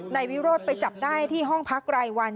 นายวิโรธไปจับได้ที่ห้องพักรายวัน